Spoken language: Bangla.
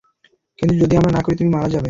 কিন্তু যদি আমরা না করি, তুমি মারা যাবে।